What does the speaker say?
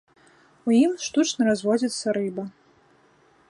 У ім штучна разводзіцца рыба.